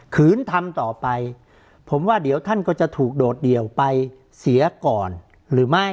คืนทำต่อไปผมว่าเดี๋ยวท่านก็จะถูกโดดเดี่ยวไปเสียก่อนหรือไม่